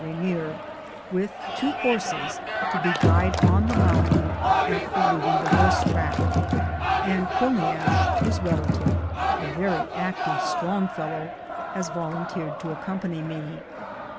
Rainier) with 2 horses to be guide on the moun tain after leaving the horse track, and Quilniash, his relative, a very active, strong fellow, has volunteered to accompany me.